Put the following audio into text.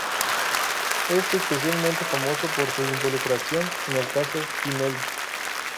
Es especialmente famoso por su involucración en el caso Pinelli.